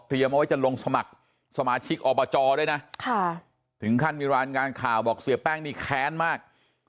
เอาไว้จะลงสมัครสมาชิกอบจด้วยนะถึงขั้นมีรายงานข่าวบอกเสียแป้งนี่แค้นมาก